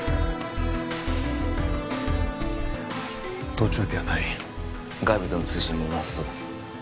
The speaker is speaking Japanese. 盗聴器はない外部との通信もなさそうだ